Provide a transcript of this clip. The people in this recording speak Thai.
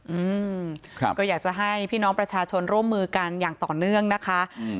อืมครับก็อยากจะให้พี่น้องประชาชนร่วมมือกันอย่างต่อเนื่องนะคะอืม